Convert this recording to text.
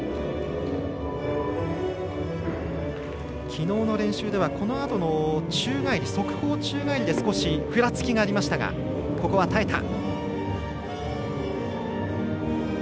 きのうの練習ではこのあとの宙返り側方宙返りで少しふらつきがあったが耐えた。